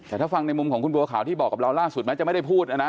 แต่ถ้าฟังในมุมของคุณบัวขาวที่บอกกับเราล่าสุดแม้จะไม่ได้พูดนะนะ